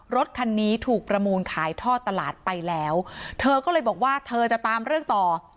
รถคันนี้ถูกประมูลขายท่อตลาดไปแล้วเธอก็เลยบอกว่าเธอจะตามเรื่องต่อ